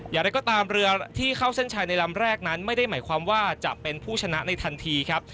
อย่างไรก็ตามเรือที่เข้าเส้นชัยในลำแรกนั้นไม่ได้หมายความว่าจะเป็นผู้ชนะในทันทีครับ